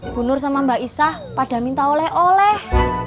bu nur sama mbak isah pada minta oleh oleh